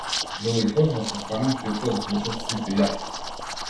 Лилјакот зашто станал птица од глушец сив и јак.